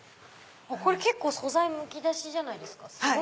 これ結構素材むき出しじゃないですか。